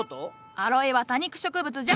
アロエは多肉植物じゃ。